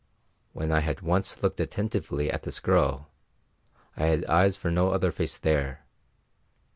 When I had once looked attentively at this girl I had eyes for no other face there.